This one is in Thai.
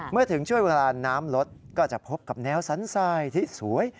เมื่อถึงช่วงเวลาน้ำลดก็จะพบกับแนวสันทรายที่สวย